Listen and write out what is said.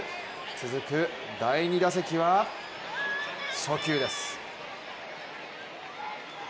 続く第２打席は、初球です。